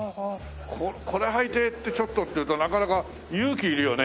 これはいてってちょっとっていうとなかなか勇気いるよね。